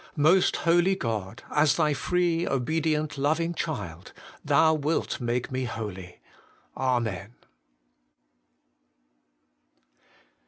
Most Holy God ! as Thy free, obedient, loving child, Thou wilt make me holy. Amen.